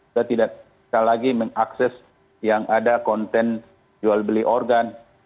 kita tidak sekali lagi mengakses yang ada konten jual beli organ